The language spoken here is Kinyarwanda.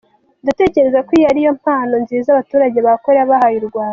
Ndatekereza ko iyi ari impano nziza abaturage ba Korea bahaye u Rwanda.